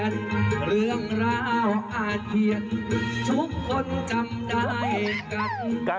นี่เห็นไหมลีลา